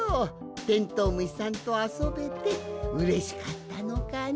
テントウムシさんとあそべてうれしかったのかの？